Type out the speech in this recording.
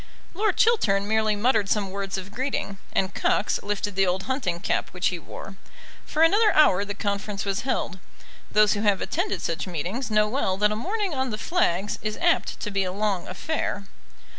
Lord Chiltern merely muttered some words of greeting, and Cox lifted the old hunting cap which he wore. For another hour the conference was held. Those who have attended such meetings know well that a morning on the flags is apt to be a long affair.